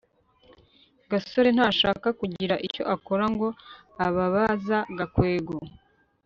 gasore ntashaka kugira icyo akora ngo ababaza gakwego